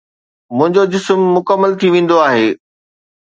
منهنجو جسم مڪمل ٿي ويندو آهي.